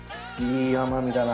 いい甘みだな。